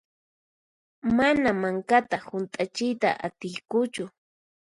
Mana mankata hunt'achiyta atiykuchu.